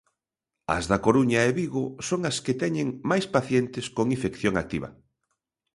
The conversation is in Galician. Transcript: As da Coruña e Vigo son as que teñen máis pacientes con infección activa.